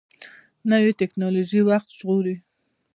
نوې ټکنالوژي وخت ژغوري